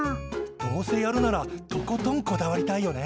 どうせやるならとことんこだわりたいよね！